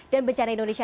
dan bencana indonesia